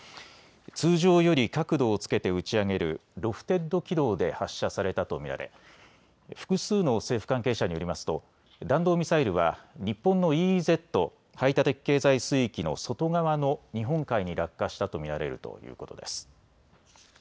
通常より角度をつけて打ち上げるロフテッド軌道で発射されたと見られ複数の政府関係者によりますと弾道ミサイルは日本のＥＥＺ・排他的経済水域の外側の日本海に落下したと見られるということです。